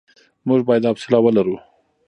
موږ بايد حوصله ولرو.